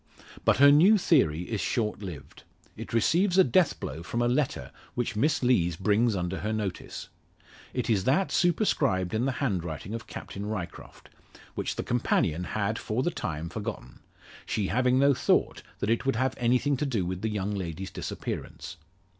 But her new theory is short lived. It receives a death blow from a letter which Miss Lees brings under her notice. It is that superscribed in the handwriting of Captain Ryecroft, which the companion had for the time forgotten; she having no thought that it would have anything to do with the young lady's disappearance.